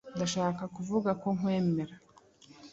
Ndashaka kuvuga ko nkwemera.